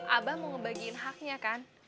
abah mau ngebagiin haknya kan